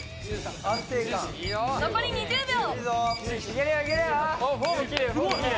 残り１０秒！